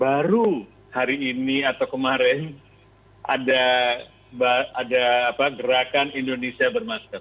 baru hari ini atau kemarin ada gerakan indonesia bermasker